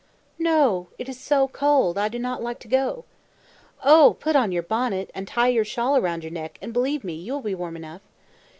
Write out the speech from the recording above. "No, it is so cold, I do not like to go." "Oh! put on your bonnet, and tie your shawl round your neck, and, believe me, you will be warm enough."